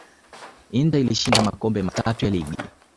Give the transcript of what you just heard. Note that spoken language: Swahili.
inter ilishinda makombe matatu ya ligi